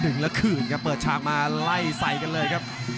แล้วคืนครับเปิดฉากมาไล่ใส่กันเลยครับ